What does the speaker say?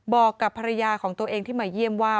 บอกกับภรรยาของตัวเองที่มาเยี่ยมว่า